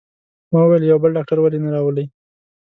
ما وویل: یو بل ډاکټر ولې نه راولئ؟